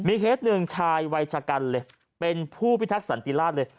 เคสหนึ่งชายวัยชะกันเลยเป็นผู้พิทักษันติราชเลย